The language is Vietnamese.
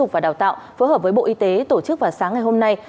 và đào tạo phối hợp với bộ y tế tổ chức vào sáng ngày hôm nay